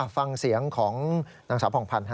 ฟังเสียงของนางสาวผ่องพันธ์